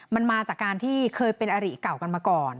มันมาจากการที่เคยเป็นอริเก่ากันมาก่อน